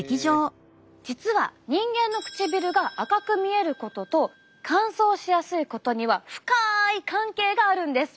実は人間の唇が赤く見えることと乾燥しやすいことには深い関係があるんです。